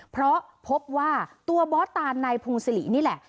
เพราะพบว่าตัวบอสตานนายพงศิรินี่แหละ